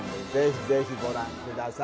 ぜひご覧ください。